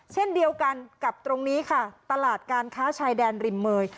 เช่นเดียวกันกับตรงนี้ค่ะตลาดการค้าชายแดนริมเมย